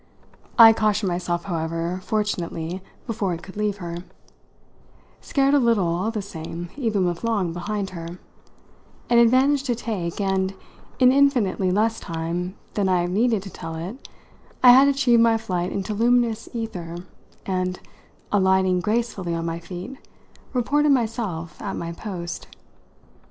I cautioned myself, however, fortunately, before it could leave her scared a little, all the same, even with Long behind her an advantage to take, and, in infinitely less time than I have needed to tell it, I had achieved my flight into luminous ether and, alighting gracefully on my feet, reported myself at my post.